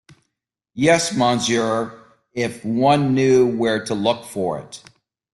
Yes, monsieur — if one knew where to look for it.